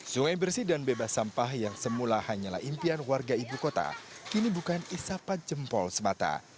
sungai bersih dan bebas sampah yang semula hanyalah impian warga ibu kota kini bukan isapat jempol semata